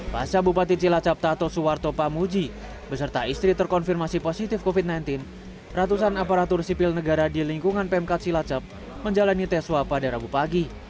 pasca bupati cilacap tato suwarto pamuji beserta istri terkonfirmasi positif covid sembilan belas ratusan aparatur sipil negara di lingkungan pemkat cilacap menjalani tes swab pada rabu pagi